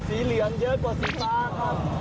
สีเหลืองเยอะกว่าสีฟ้าครับ